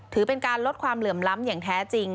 ถือเป็นการลดความเหลื่อมล้ำอย่างแท้จริง